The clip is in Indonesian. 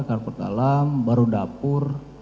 karpot alam baru dapur